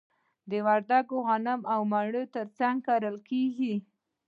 د وردګو غنم د مڼو ترڅنګ کرل کیږي.